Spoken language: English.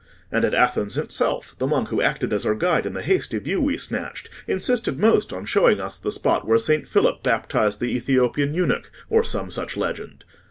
And at Athens itself, the monk who acted as our guide in the hasty view we snatched, insisted most on showing us the spot where Saint Philip baptised the Ethiopian eunuch, or some such legend."